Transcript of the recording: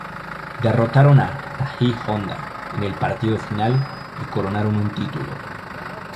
Derrotaron a Thai Honda en el partido final y coronaron un título.